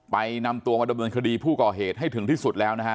นำตัวมาดำเนินคดีผู้ก่อเหตุให้ถึงที่สุดแล้วนะฮะ